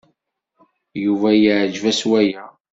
Yuba yeɛjeb-as waya.